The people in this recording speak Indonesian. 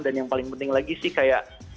dan yang paling penting lagi sih kayak